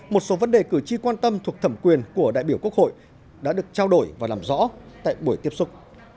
một số vấn đề cử tri quan tâm thuộc thẩm quyền của đại biểu quốc hội đã được trao đổi và làm rõ tại buổi tiếp xúc